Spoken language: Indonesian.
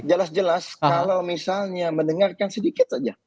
jelas jelas kalau misalnya mendengarkan sedikit saja